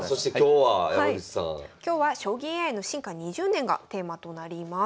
はい今日は将棋ＡＩの進化２０年がテーマとなります。